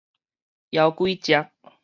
枵鬼食